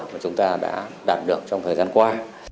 mà chúng ta đã đạt được trong thời gian qua